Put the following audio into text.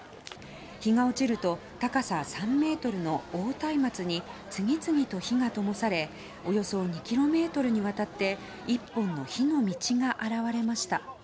日が落ちると高さ３ｍの大たいまつに次々と火がともされおよそ２ｋｍにわたって１本の火の道が現れました。